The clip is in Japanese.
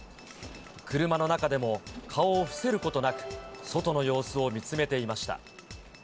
車の中でも、顔を伏せることなく、外の様子を見つめていました。